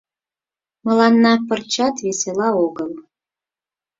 — Мыланна пырчат весела огыл.